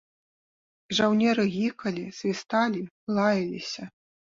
І жаўнеры гікалі, свісталі, лаяліся.